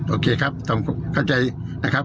โอเคครับต้องเข้าใจนะครับ